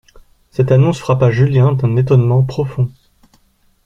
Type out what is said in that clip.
Cette annonce frappa Julien d'un étonnement profond.